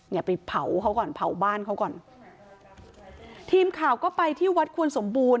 เนี่ยไปเผาเขาก่อนเผาบ้านเขาก่อนทีมข่าวก็ไปที่วัดควรสมบูรณ